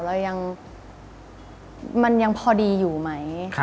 เรายังมันยังพอดีอยู่ไหม